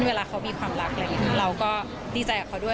เวลาเขามีความรักเราก็ดีใจกับเขาด้วย